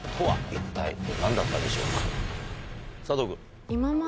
はい。